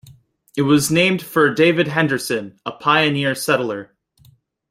It was named for David Henderson, a pioneer settler.